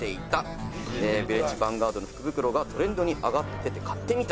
「ヴィレッジヴァンガードの福袋がトレンドに上がってて買ってみた」